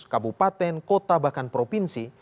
kabupaten kota bahkan provinsi